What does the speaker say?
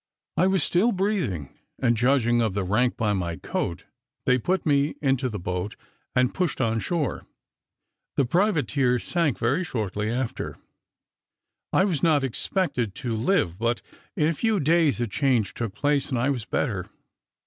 I was still breathing; and judging of my rank by my coat, they put me into the boat, and pushed on shore. The privateer sank very shortly after. I was not expected to live, but in a few days a change took place, and I was better.